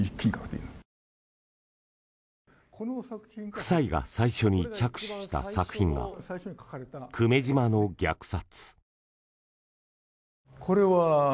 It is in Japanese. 夫妻が最初に着手した作品が「久米島の虐殺」。